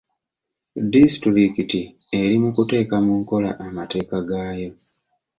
Disitulikiti eri mu kuteeka mu nkola amateeka gaayo.